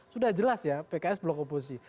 sudah jelas ya pks blok oposisi